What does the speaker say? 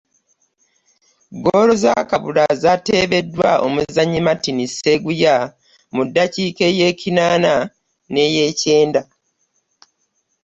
Ggoolo za Kabula zaateebeddwa omuzannyi Martin Sseguya mu ddakiika ey'ekinaana n'ey'ekyenda